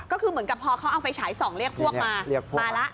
ก็คือเหมือนกับพอเขาเอาไฟฉายส่องเรียกพวกมามาแล้ว